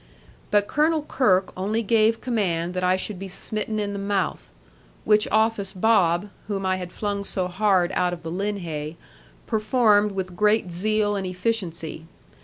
But Colonel Kirke only gave command that I should be smitten in the mouth; which office Bob, whom I had flung so hard out of the linhay, performed with great zeal and efficiency.